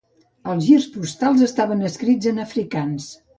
Els girs postals estaven escrits en afrikaans.